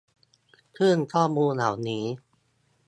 ซึ่งข้อมูลเหล่านี้